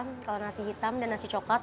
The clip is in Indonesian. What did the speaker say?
berbeda dengan nasi hitam dan nasi coklat